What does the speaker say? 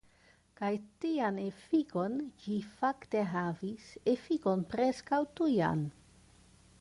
Kaj tian efikon ĝi fakte havis, efikon preskaŭ tujan.